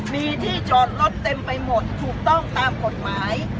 มีที่จอดรถเต็มไปหมดถูกต้องตามกฎหมาย